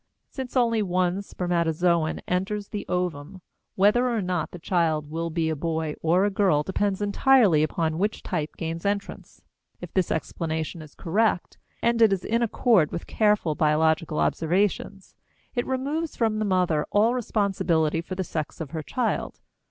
Since only one spermatozoon enters the ovum, whether or not the child will be a boy or a girl depends entirely upon which type gains entrance. If this explanation is correct, and it is in accord with careful biological observations, it removes from the mother all responsibility for the sex of her child.